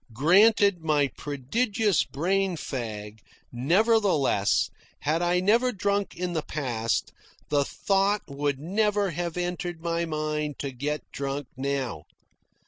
Granted my prodigious brain fag, nevertheless, had I never drunk in the past, the thought would never have entered my mind to get drunk now.